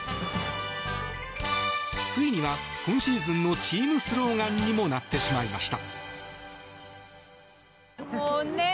ついには、今シーズンのチームスローガンにもなってしまいました。